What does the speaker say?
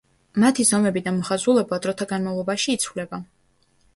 მათი ზომები და მოხაზულობა დროთა განმავლობაში იცვლება.